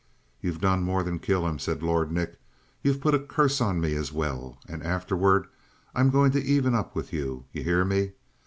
"You've done more than kill him," said Lord Nick. "You've put a curse on me as well. And afterward I'm going to even up with you. You hear me?